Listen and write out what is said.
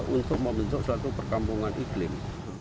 untuk membentuk suatu perkampungan iklim